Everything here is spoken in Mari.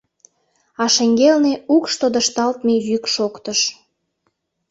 А шеҥгелне укш тодышталтме йӱк шоктыш...